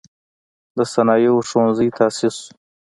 د صنایعو ښوونځی تأسیس شو.